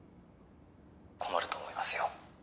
困ると思いますよ